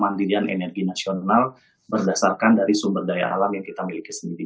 mandirian energi nasional berdasarkan dari sumber daya alam yang kita miliki sendiri